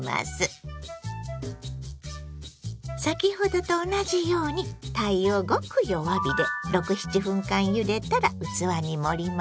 先ほどと同じようにたいをごく弱火で６７分間ゆでたら器に盛ります。